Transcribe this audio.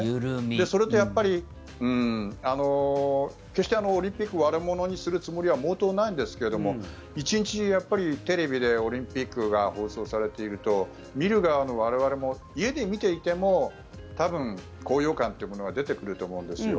それとやっぱり決してオリンピックを悪者にする気は毛頭ないんですけども１日中テレビでオリンピックが放送されていると見る側の我々も家で見ていても多分、高揚感というものが出てくると思うんですよ。